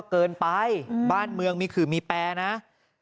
ลองกลุ่มเลยไหมเค้าเคยมีปัญหา